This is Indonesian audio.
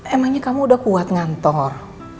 emangnya kamu udah kuat ngantor